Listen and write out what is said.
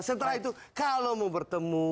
setelah itu kalau mau bertemu